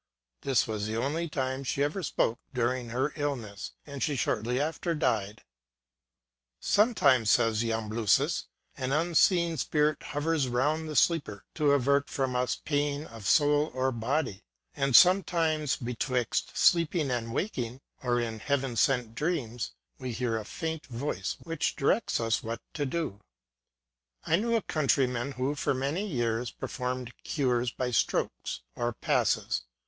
This was the only time she ever spoke during her illness, and she shortly after died. " Sometimes/' says Jamblichus, " an unseen spirit hovers round the sleeper, to avert from us pain of soul or body ; and sometimes, betwixt sleep ing and waking, or in heaven sent dreams, we hear a faint voice which directs us what to do." I knew a countryman who, for many years, per formed cures by strokes, or passes.